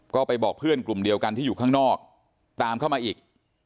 ก็ไปบอกเพื่อนกลุ่มเดียวกันที่อยู่ข้างนอกตามเข้ามาอีก